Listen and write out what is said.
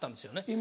今。